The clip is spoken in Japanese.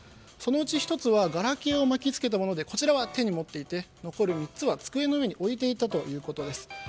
そのうち１つはガラケーを巻き付けたものでこちらは手に持っていて残る３つは机の上に置いていたということです。